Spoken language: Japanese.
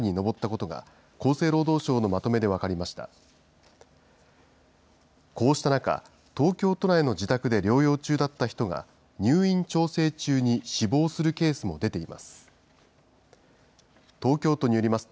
こうした中、東京都内の自宅で療養中だった人が、入院調整中に死亡するケースも出ています。